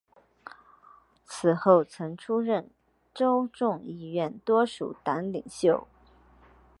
此后曾出任州众议院多数党领袖。